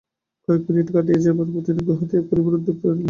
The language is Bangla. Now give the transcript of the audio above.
কয়েক মিনিট কাটিয়া যাইবার পর তিনি গুহা ত্যাগ করিবার উদ্যোগ করিলেন।